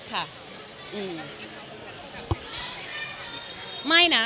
มันก็เป็นความสุขเล็กน้อยของป้าเนาะ